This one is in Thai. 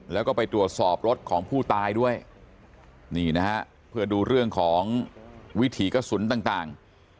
แล้วก็ไปตรวจสอบรถของผู้ตายด้วยนี่นะฮะเพื่อดูเรื่องของวิถีกระสุนต่าง